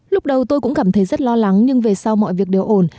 lúc đầu tôi cũng cảm thấy rất lo lắng nhưng về sau mọi việc đều ổn